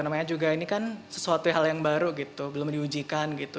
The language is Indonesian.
namanya juga ini kan sesuatu hal yang baru gitu belum diujikan gitu